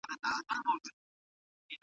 د اوبو غږ ډېر لوړ پورته شو.